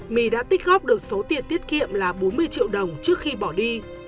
my đã tích góp được số tiền tiết kiệm là bốn mươi triệu đồng trước khi bỏ đi